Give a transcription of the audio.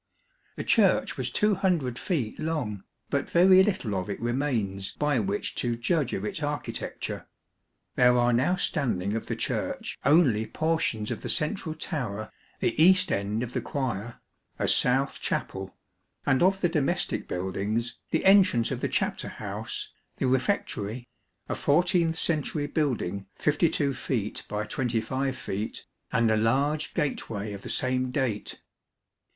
The church was 200 feet long, but very little of it re mains by which to judge of its architecture. There are now standing of the church only portions of the central tower, the east end of the choir, a south chapel : and of the domestic buildings, the entrance of the Chapter House, the refectory, a fourteenth century building 52 feet by 25 feet; and a large gateway of the same date.